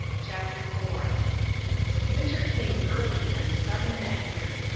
CHAPTER IV Winter came early and sudden that year.